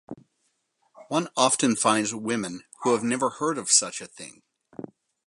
One often finds women who have never heard of such a thing.